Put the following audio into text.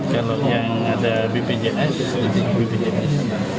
kalau yang ada bpjs bpjs